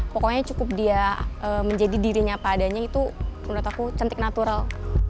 pokoknya cukup dia menjadi dirinya apa adanya itu menurut aku cantik natural